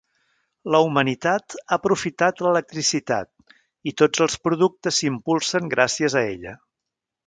La humanitat ha aprofitat l'electricitat i tots els productes s'impulsen gràcies a ella.